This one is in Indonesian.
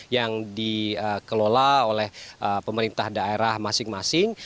yang dikelola oleh pemerintah daerah masing masing